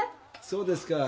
そうですか。